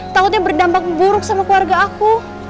takutnya berdampak buruk sama keluarga aku